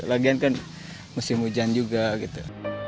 lagian kan musim hujan juga gitu